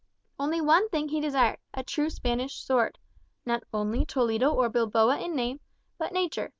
Only one thing he desired, a true Spanish sword, not only Toledo or Bilboa in name, but nature.